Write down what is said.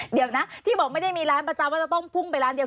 เดี๋ยวนะที่บอกไม่ได้มีร้านประจำว่าจะต้องพุ่งไปร้านเดียว